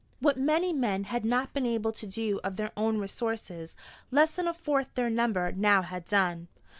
What many men had not been able to do of their own resources, less than a fourth their number now had done.